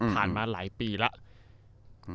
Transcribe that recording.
ผ่านมาหลายปีแล้ว